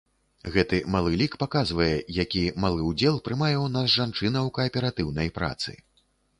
Гэты малы лік паказвае, які малы ўдзел прымае ў нас жанчына ў кааператыўнай працы.